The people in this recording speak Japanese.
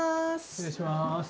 失礼します。